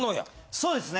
そうですね。